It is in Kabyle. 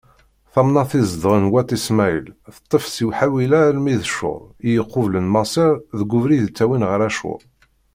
Tamnaṭ i zedɣen wat Ismaɛil, teṭṭef si Ḥawila armi d Cur, i yequblen Maṣer, deg ubrid ittawin ɣer Acur.